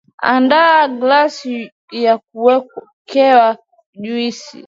andaa glass yakuwekea juisi